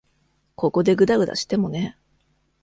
ここでぐだぐだしてもね。